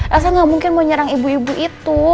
rasa gak mungkin mau nyerang ibu ibu itu